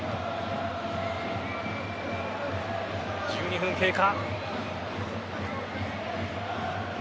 １２分経過。